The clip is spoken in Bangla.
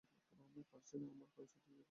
পারছি না, আমরা কনসার্টে যেতে চাই।